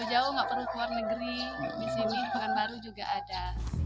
jauh nggak perlu keluar negeri di sini di pekanbaru juga ada